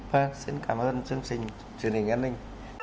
vâng xin cảm ơn chương trình truyền hình an ninh